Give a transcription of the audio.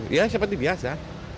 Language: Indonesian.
ya seperti biasa